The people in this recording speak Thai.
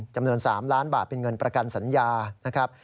จำนวน๓ล้านบาทเป็นเงินประกันสัญญานะครับ